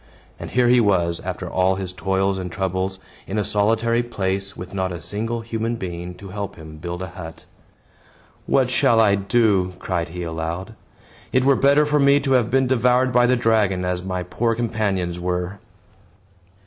And here he was, after all his toils and troubles, in a solitary place, with not a single human being to help him build a hut. "What shall I do?" cried he aloud. "It were better for me to have been devoured by the dragon, as my poor companions were."